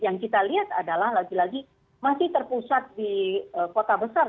yang kita lihat adalah lagi lagi masih terpusat di kota besar